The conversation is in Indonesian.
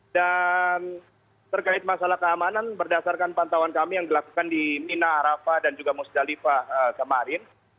dan terkait masalah keamanan berdasarkan pantauan kami yang dilakukan di mina arafah dan juga musdalifah kemarin